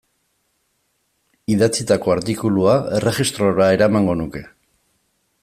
Idatzitako artikulua erregistrora eramango nuke.